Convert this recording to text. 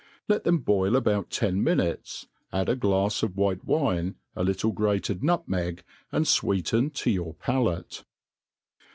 Let them boil about ten minutes, add a glafs of White wine, a little grated nutmeg, and fweeten to your palate.